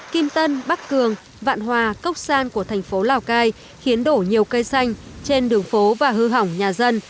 kim tân bắc cường vạn hòa cốc san của thành phố lào cai khiến đổ nhiều cây xanh trên đường phố và hư hỏng nhà dân